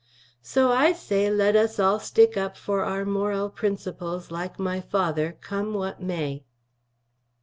So as I say let us all stick up for our Morel Prinsaples like my Father come what may.